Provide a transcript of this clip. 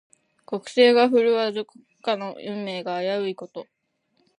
国勢が振るわず、国家の運命が危ういこと。